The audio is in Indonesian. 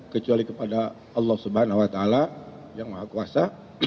kecuali kepada allah swt yang maha kuasa